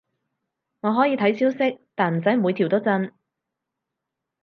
我可以睇消息，但唔使每條都震